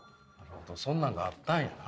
そんなんがあったんやな。